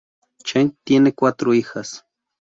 Cheng tiene cuatro hijas.